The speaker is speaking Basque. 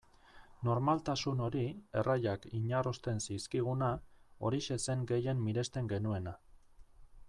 Normaltasun hori, erraiak inarrosten zizkiguna, horixe zen gehien miresten genuena.